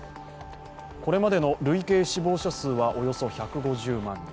これまでの累計死亡者数はおよそ１５０万人。